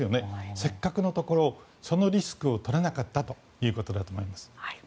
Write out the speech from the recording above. せっかくのところそのリスクを取らなかったということだと思います。